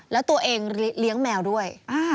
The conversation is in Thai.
แล้วตัวเองเลี้ยงแมวด้วย